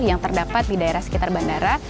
yang terdapat di daerah sekitar bandara